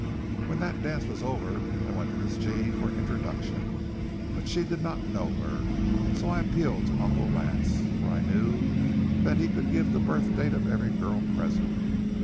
When that dance was over, I went to Miss Jean for an introduction, but she did not know her, so I appealed to Uncle Lance, for I knew he could give the birth date of every girl present.